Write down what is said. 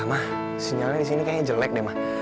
mah sinyalnya di sini kayaknya jelek deh mah